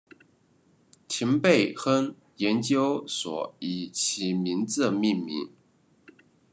廷贝亨研究所以其名字命名。